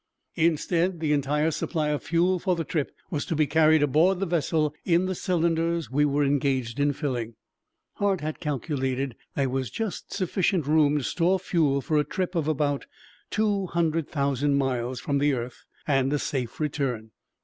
Instead, the entire supply of fuel for the trip was to be carried aboard the vessel in the cylinders we were engaged in filling. Hart had calculated that there was just sufficient room to store fuel for a trip of about two hundred thousand miles from the earth and a safe return.